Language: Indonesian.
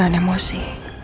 lo jangan emosi